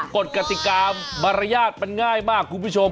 กฎกติกามารยาทมันง่ายมากคุณผู้ชม